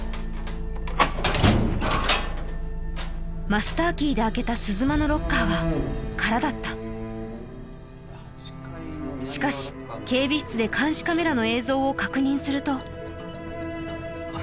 マスターキーで開けた鈴間のロッカーはカラだったしかし警備室で監視カメラの映像を確認するとあっ